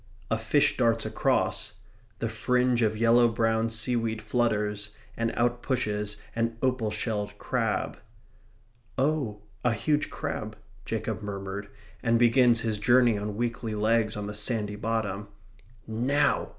A fish darts across. The fringe of yellow brown seaweed flutters, and out pushes an opal shelled crab "Oh, a huge crab," Jacob murmured and begins his journey on weakly legs on the sandy bottom. Now!